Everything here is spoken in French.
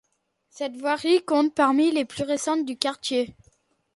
Cette voirie compte parmi les plus récentes du quartier.